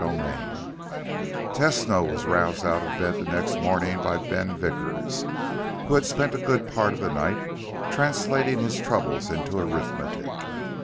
VIII Tesno was rousted out of bed the next morning by Ben Vickers, who had spent a good part of the night translating his troubles into arithmetic.